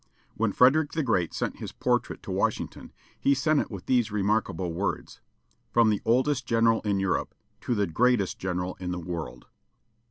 When Frederick the Great sent his portrait to Washington, he sent with it these remarkable words: "From the oldest general in Europe to the greatest general in the world."